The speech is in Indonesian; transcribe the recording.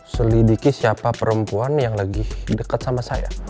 selidiki siapa perempuan yang lagi dekat sama saya